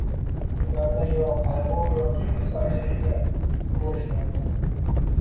ularda yo qayg‘u yoki xursandchilikni ko‘rish mumkin.